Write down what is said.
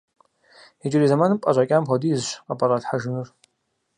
Иджырей зэманым пӀэщӀэкӀам хуэдизщ къыпӀэщӀалъхьэжынур.